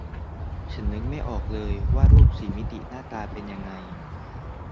ฉันนึกไม่ออกเลยว่ารูปสี่มิติหน้าตาเป็นยังไง